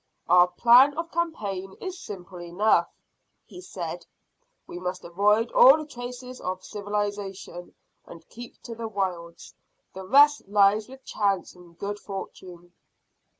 "Our plan of campaign is simple enough," he said; "we must avoid all traces of civilisation, and keep to the wilds. The rest lies with chance and good fortune."